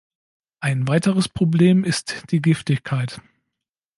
Ein weiteres Problem ist die Giftigkeit.